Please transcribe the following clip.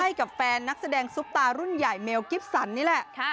ให้กับแฟนนักแสดงซุปตารุ่นใหญ่เมลกิฟสันนี่แหละ